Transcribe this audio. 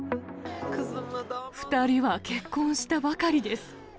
２人は結婚したばかりです。